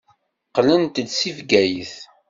Qqlent-d seg Bgayet.